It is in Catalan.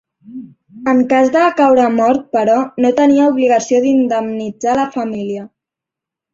En cas de caure mort però, no tenia obligació d'indemnitzar la família.